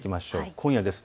今夜です。